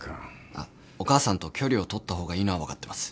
あっお母さんと距離を取った方がいいのは分かってます。